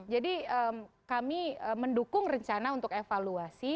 jadi kami mendukung rencana untuk evaluasi